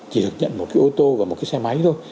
chỉ được nhận một cái ô tô và một cái xe máy thôi